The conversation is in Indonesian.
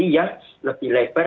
yang lebih lebar